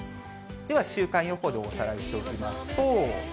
では週間予報でおさらいしておきますと。